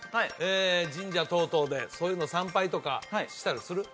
神社等々でそういうの参拝とかしたりする？